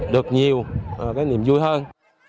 được nhiều cái niềm vui hơn